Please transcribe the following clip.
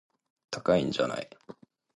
高いんじゃない